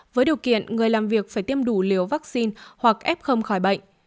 với điều kiện người làm việc phải tiêm đủ liều vaccine hoặc ép không khỏi bệnh